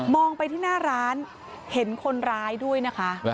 ไปที่หน้าร้านเห็นคนร้ายด้วยนะคะ